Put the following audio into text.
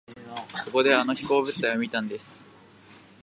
ここであの飛行物体を見たんです。